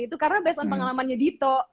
itu karena based on pengalamannya dito